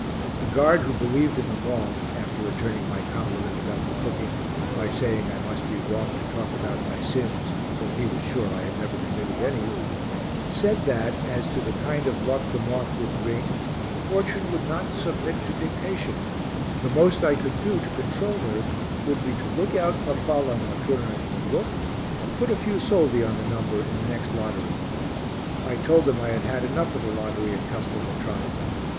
The guard who believed in the moth after returning my compliment about the cooking by saying I must be wrong to talk about my sins, for he was sure I had never committed any said that as to the kind of luck the moth would bring, Fortune would not submit to dictation, the most I could do to control her would be to look out farfalla notturna in the book and put a few soldi on the number in the next lottery. I told him I had had enough of the lottery at Castelvetrano.